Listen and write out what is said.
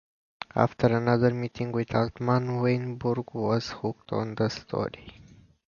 After another meeting with Altman, Weintraub was hooked on the story.